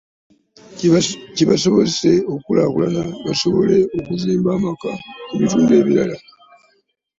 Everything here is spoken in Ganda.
Kibasobozese okukulaakulana basobole okuzimba amaka mu bitundu ebirala